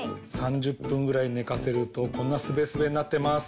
３０ぷんぐらいねかせるとこんなすべすべになってます。